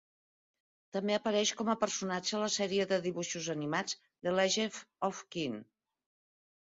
També apareix com a personatge a la sèrie de dibuixos animats "The Legend of Qin".